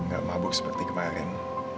gak mabuk seperti kemarin